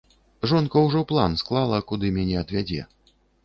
Жонка ўжо план склала, куды мяне адвядзе.